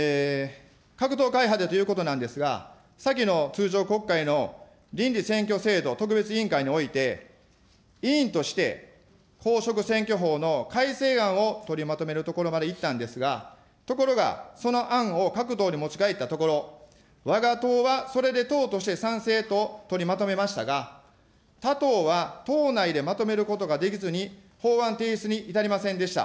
各党、会派でということなんですが、先の通常国会の選挙制度特別委員会において、委員として公職選挙法の改正案を取りまとめるところまでいったんですが、ところが、その案を各党に持ち帰ったところ、わが党は、それで党として賛成と取りまとめましたが、他党は党内でまとめることができずに、法案提出に至りませんでした。